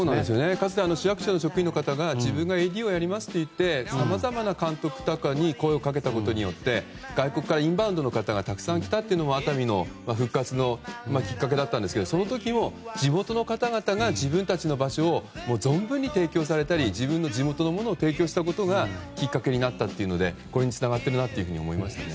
かつて市役所の職員の方がさまざまな監督とかに声をかけたことによって外国からインバウンドの方がたくさん来たのも、熱海の復活のきっかけだったんですがその時も地元の方々が自分たちの場所を存分に提供されたり自分の地元のものを提供したことがきっかけになったというのでこれにつながっているなと思いましたね。